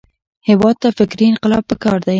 هېواد ته فکري انقلاب پکار دی